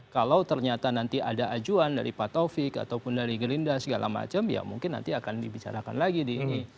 kalau ternyata nanti ada ajuan dari pak taufik ataupun dari gerinda segala macam ya mungkin nanti akan dibicarakan lagi di ini